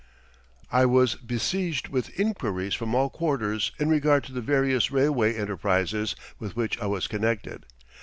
I was besieged with inquiries from all quarters in regard to the various railway enterprises with which I was connected.